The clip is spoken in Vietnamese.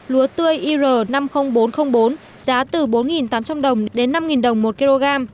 lúa tươi ir năm mươi nghìn bốn trăm linh bốn giá từ bốn tám trăm linh đồng đến năm đồng một kg